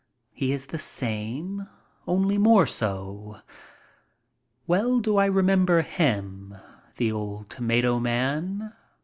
He is the same — only more so. Well do I remember him, the old tomato man.